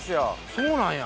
そうなんや。